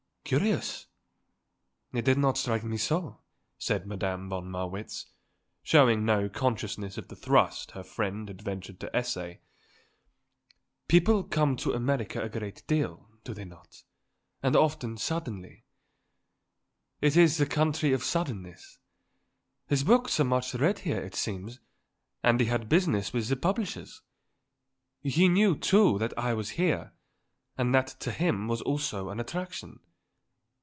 "Curious? It did not strike me so," said Madame von Marwitz, showing no consciousness of the thrust her friend had ventured to essay. "People come to America a great deal, do they not; and often suddenly. It is the country of suddenness. His books are much read here, it seems, and he had business with his publishers. He knew, too, that I was here; and that to him was also an attraction.